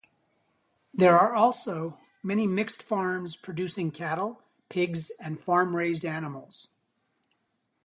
There are also many mixed farms producing cattle, pigs, and farm-raised wild animals.